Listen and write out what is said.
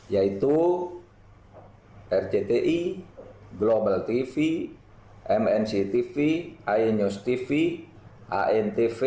yaitu rcti global tv mnc tv aen news tv antv